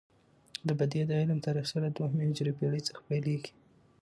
د بدیع د علم تاریخچه له دوهمې هجري پیړۍ څخه پيلیږي.